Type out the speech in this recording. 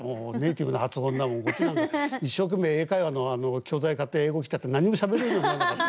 こっちなんか一生懸命英会話の教材買って英語したって何にもしゃべれるようにならなかった。